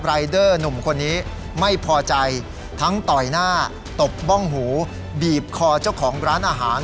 รายเดอร์หนุ่มคนนี้ไม่พอใจทั้งต่อยหน้าตบบ้องหูบีบคอเจ้าของร้านอาหาร